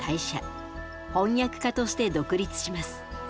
翻訳家として独立します。